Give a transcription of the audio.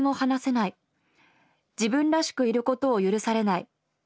自分らしくいることを許されない。